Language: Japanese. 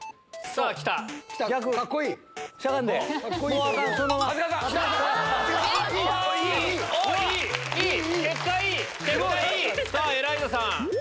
さぁエライザさん！